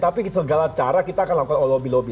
tapi segala cara kita akan lakukan lobby lobby